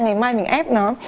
ngày mai mình ép nó